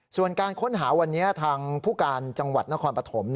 ส่วนการค้นหาวันนี้ทางผู้การจังหวัดนครปฐม